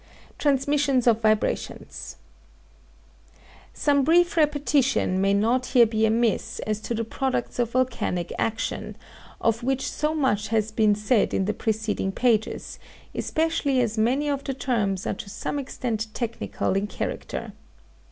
TRANSMISSIONS OF VIBRATIONS Some brief repetition may not here be amiss as to the products of volcanic action, of which so much has been said in the preceding pages, especially as many of the terms are to some extent technical in character.